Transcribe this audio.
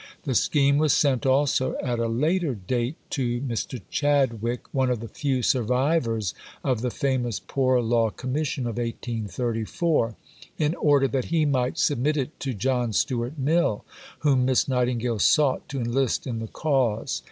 The scheme was sent also (at a later date) to Mr. Chadwick (one of the few survivors of the famous Poor Law Commission of 1834) in order that he might submit it to John Stuart Mill, whom Miss Nightingale sought to enlist in the cause.